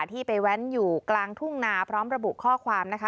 ที่ไปแว้นอยู่กลางทุ่งนาพร้อมระบุข้อความนะคะ